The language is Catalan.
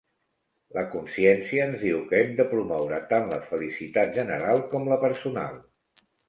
La consciència ens diu que hem de promoure tant la felicitat general com la personal.